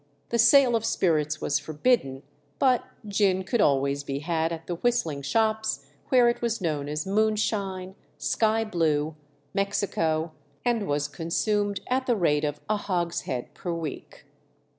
The sale of spirits was forbidden, but gin could always be had at the whistling shops, where it was known as Moonshine, Sky Blue, Mexico, and was consumed at the rate of a hogshead per week.